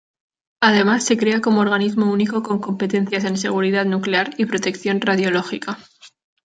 Además se crea como organismo único con competencias en seguridad nuclear y protección radiológica.